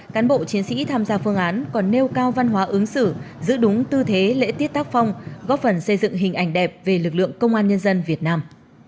cán bộ chiến sĩ tham gia phương án còn nêu cao văn hóa ứng xử giữ đúng tư thế lễ tiết tác phong góp phần xây dựng hình ảnh đẹp về lực lượng công an nhân dân việt nam